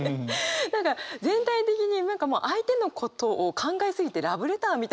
何か全体的に相手のことを考え過ぎてラブレターみたいに。